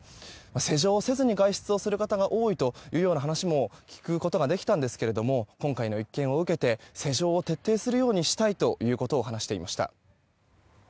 施錠をせずに外出をする方が多いというような話も聞くことができたんですけど今回の一件を受けて施錠を徹底するようにしたいということを話していました。